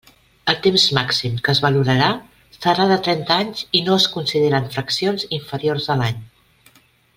El temps màxim que es valorarà serà de trenta anys i no es consideraran fraccions inferiors a l'any.